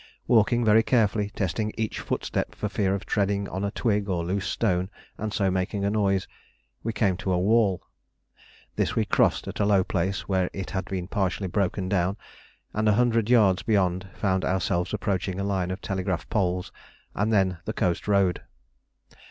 Walking very carefully, testing each footstep for fear of treading on a twig or loose stone and so making a noise, we came to a wall. This we crossed at a low place where it had been partially broken down, and a hundred yards beyond found ourselves approaching a line of telegraph poles and then the coast road.